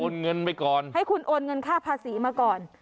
หรือว่าของมีค่าให้คุณโอนเงินค่าภาษีมาก่อน